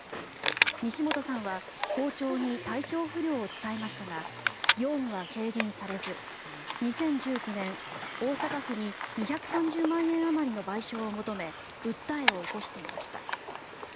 西本さんは校長に体調不良を伝えましたが業務は軽減されず２０１９年、大阪府に２３０万円あまりの賠償を求め訴えを起こしていました。